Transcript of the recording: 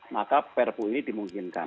maka prpu ini dimungkinkan